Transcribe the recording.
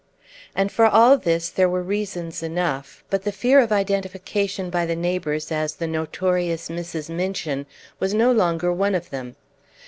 And for all this there were reasons enough; but the fear of identification by the neighbors as the notorious Mrs. Minchin was no longer one of them.